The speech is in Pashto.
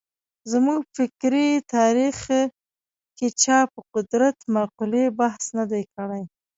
زموږ په فکري تاریخ کې چا پر قدرت مقولې بحث نه دی کړی.